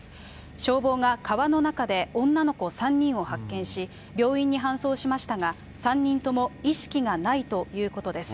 消防が川の中で女の子３人を発見し、病院に搬送しましたが、３人とも意識がないということです。